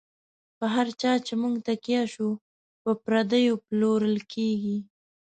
په هر چا چی موږ تکیه شو، په پردیو پلورل کیږی